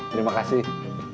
kasian sudah murs where